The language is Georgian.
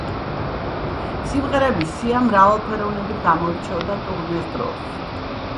სიმღერების სია მრავალფეროვნებით გამოირჩეოდა ტურნეს დროს.